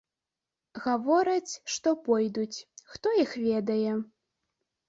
Гавораць, што пойдуць, хто іх ведае.